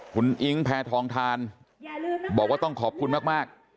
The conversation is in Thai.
คุณอิ๊งแพทองทานบอกว่าต้องขอบคุณมาก